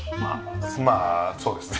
まあそうですね。